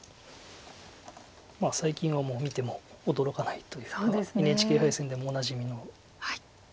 最近はもう見ても驚かないというかＮＨＫ杯戦でもおなじみの展開ですか。